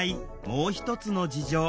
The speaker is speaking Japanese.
もう一つの事情。